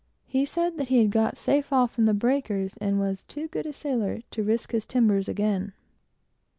He said he had got safe off from the breakers, and was too good a sailor to risk his timbers again.